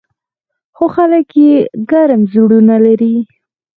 خو خلک یې ګرم زړونه لري.